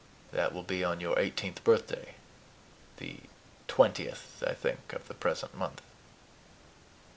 That will be on your eighteenth birthday the twentieth, I think, of the present month."